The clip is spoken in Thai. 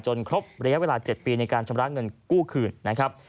ครบระยะเวลา๗ปีในการชำระเงินกู้คืนนะครับ